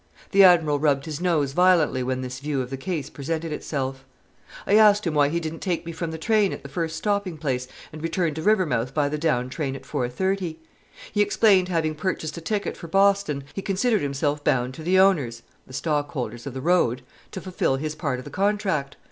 The Admiral rubbed his nose violently when this view of the case presented itself. I asked him why he didn't take me from the train at the first stopping place and return to Rivermouth by the down train at 4.30. He explained having purchased a ticket for Boston, he considered himself bound to the owners (the stockholders of the road) to fulfil his part of the contract!